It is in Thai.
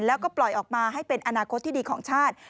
แล้วก็ปล่อยออกมาให้เป็นอนาคตที่ดีของชาติ